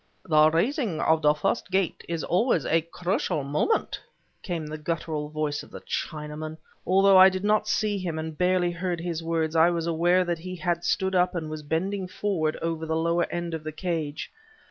"The raising of the First Gate is always a crucial moment," came the guttural voice of the Chinaman. Although I did not see him, and barely heard his words, I was aware that he had stood up and was bending forward over the lower end of the cage.